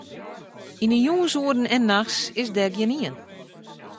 Yn 'e jûnsoeren en nachts is dêr gjinien.